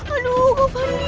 aduh om fandi